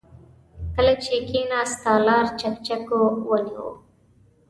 کله چې کېناست، تالار چکچکو ونيو.